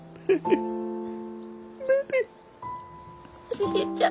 おじいちゃん。